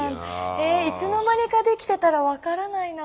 えいつの間にかできてたら分からないな。